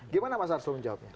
gimana mas arsul menjawabnya